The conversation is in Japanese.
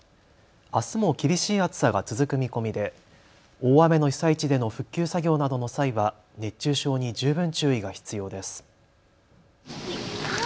あすも厳しい暑さが続く見込みで大雨の被災地での復旧作業などの際は熱中症に十分注意が必要です。